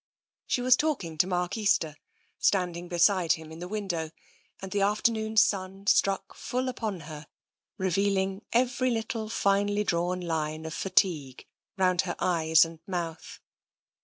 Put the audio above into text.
She was talking to Mark Easter, standing beside him in the window, and the afternoon sun struck full upon her, revealing every little finely drawn line of fatigue round her eyes and mouth.